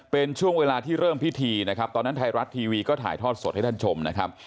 เป็นช่วงเวลาที่เริ่มพิธีนะครับตอนนั้นไทยรัฐทีวีก็ถ่ายทอดสดให้ท่านชมนะครับ